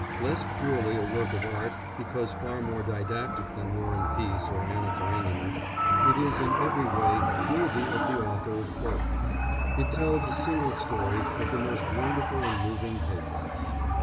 Less purely a work of art because far more didactic than War and Peace or Anna Karénina, it is in every way worthy of the author of both. It tells a single story of the most wonderful and moving pathos.